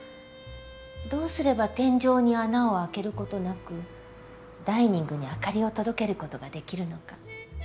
どうすれば天井に穴を開けることなくダイニングに明かりを届けることができるのか。